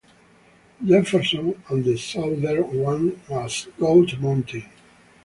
Jefferson and the southern one as Goat Mountain.